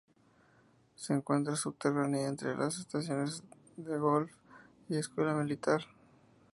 Se encuentra subterránea, entre las estaciones El Golf y Escuela Militar.